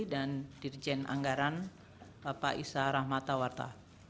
dan dirjen anggaran bapak isa rahmatawarta